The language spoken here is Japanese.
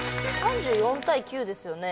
３４対９ですよね。